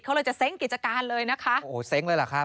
เขาเลยจะเซ้งกิจการเลยนะคะโอ้โหเซ้งเลยเหรอครับ